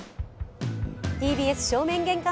ＴＢＳ正面玄関